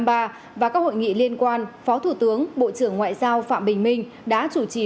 m năm mươi ba và các hội nghị liên quan phó thủ tướng bộ trưởng ngoại giao phạm bình minh đã chủ trì